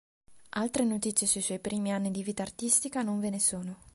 Altre notizie sui suoi primi anni di vita artistica non ve ne sono.